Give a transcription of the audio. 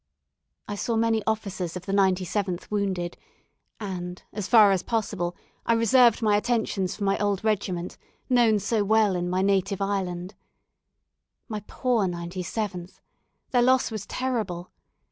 I saw many officers of the 97th wounded; and, as far as possible, I reserved my attentions for my old regiment, known so well in my native island. My poor 97th! their loss was terrible.